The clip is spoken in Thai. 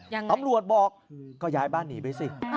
ตำรวจบอกก็ย้ายบ้านหนีไปสิ